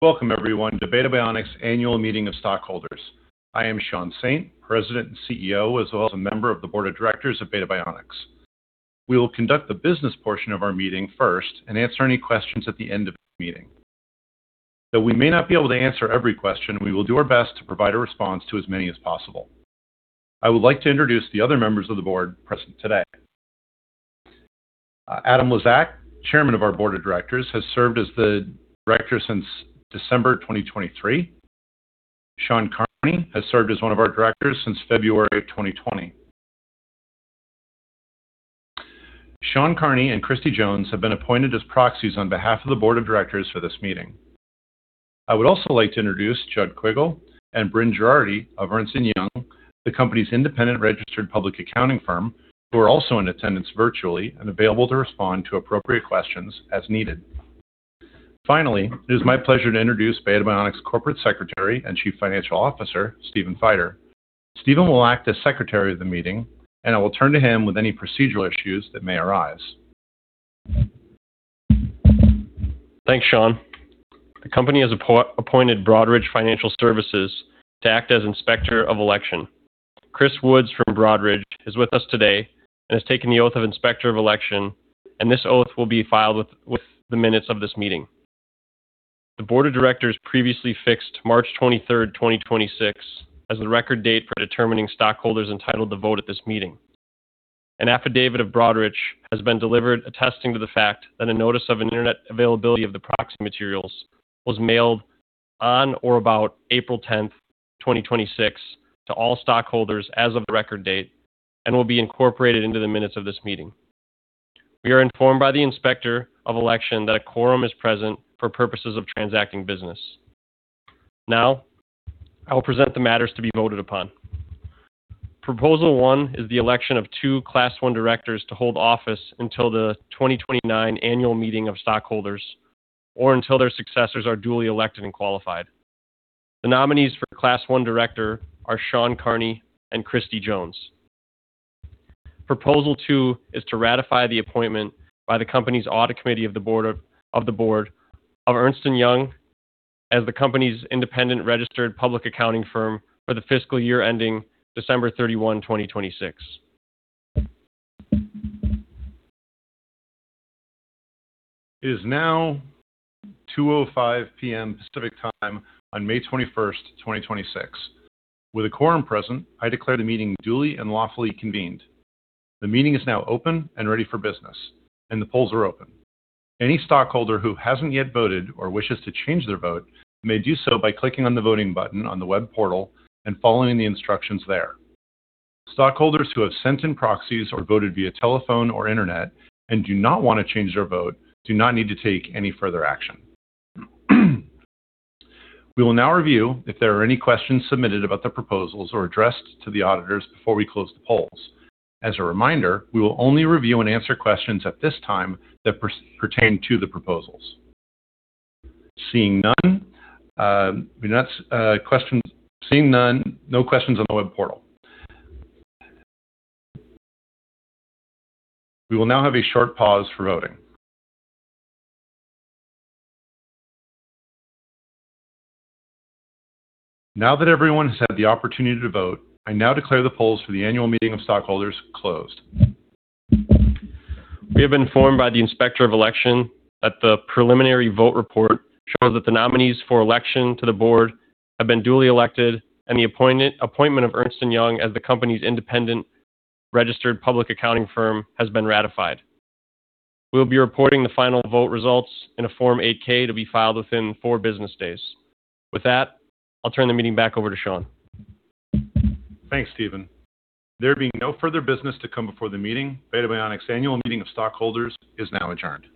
Welcome everyone to Beta Bionics Annual Meeting of Stockholders. I am Sean Saint, President and CEO, as well as a member of the Board of Directors of Beta Bionics. We will conduct the business portion of our meeting first and answer any questions at the end of the meeting. Though we may not be able to answer every question, we will do our best to provide a response to as many as possible. I would like to introduce the other members of the board present today. Adam Lezack, Chairman of our Board of Directors, has served as the director since December 2023. Sean Carney has served as one of our directors since February 2020. Sean Carney and Christy Jones have been appointed as proxies on behalf of the board of directors for this meeting. I would also like to introduce Jud Quiggle and Bryn Geraghty of Ernst & Young, the company's independent registered public accounting firm, who are also in attendance virtually and available to respond to appropriate questions as needed. Finally, it is my pleasure to introduce Beta Bionics Corporate Secretary and Chief Financial Officer, Stephen Feider. Stephen will act as secretary of the meeting, and I will turn to him with any procedural issues that may arise. Thanks, Sean. The company has appointed Broadridge Financial Solutions to act as inspector of election. Chris Woods from Broadridge is with us today and has taken the oath of inspector of election, and this oath will be filed with the minutes of this meeting. The board of directors previously fixed March 23rd, 2026 as the record date for determining stockholders entitled to vote at this meeting. An affidavit of Broadridge has been delivered attesting to the fact that a notice of an internet availability of the proxy materials was mailed on or about April 10th, 2026 to all stockholders as of the record date and will be incorporated into the minutes of this meeting. We are informed by the inspector of election that a quorum is present for purposes of transacting business. Now, I will present the matters to be voted upon. Proposal 1 is the election of two Class 1 directors to hold office until the 2029 annual meeting of stockholders or until their successors are duly elected and qualified. The nominees for Class 1 director are Sean Carney and Christy Jones. Proposal 2 is to ratify the appointment by the company's audit committee of the board of Ernst & Young as the company's independent registered public accounting firm for the fiscal year ending December 31, 2026. It is now 2:05 P.M. Pacific Time on May 21st, 2026. With a quorum present, I declare the meeting duly and lawfully convened. The meeting is now open and ready for business, and the polls are open. Any stockholder who hasn't yet voted or wishes to change their vote may do so by clicking on the voting button on the web portal and following the instructions there. Stockholders who have sent in proxies or voted via telephone or internet and do not want to change their vote do not need to take any further action. We will now review if there are any questions submitted about the proposals or addressed to the auditors before we close the polls. As a reminder, we will only review and answer questions at this time that pertain to the proposals. Seeing none, no questions on the web portal. We will now have a short pause for voting. Now that everyone has had the opportunity to vote, I now declare the polls for the annual meeting of stockholders closed. We have been informed by the inspector of election that the preliminary vote report shows that the nominees for election to the board have been duly elected and the appointment of Ernst & Young as the company's independent registered public accounting firm has been ratified. We'll be reporting the final vote results in a Form 8-K to be filed within four business days. With that, I'll turn the meeting back over to Sean. Thanks, Stephen. There being no further business to come before the meeting, Beta Bionics Annual Meeting of Stockholders is now adjourned.